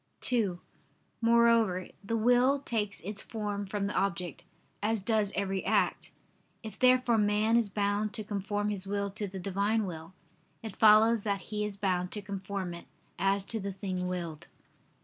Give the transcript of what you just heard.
(2) Moreover, the will takes its form from the object, as does every act. If therefore man is bound to conform his will to the Divine will, it follows that he is bound to conform it, as to the thing willed.